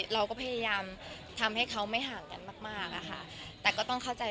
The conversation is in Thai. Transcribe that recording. เราก็พยายามทำให้เขาไม่ห่างกันมากมากอะค่ะแต่ก็ต้องเข้าใจ